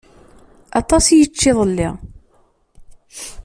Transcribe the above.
Aṭas i yečča iḍelli.